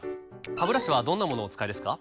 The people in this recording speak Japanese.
ハブラシはどんなものをお使いですか？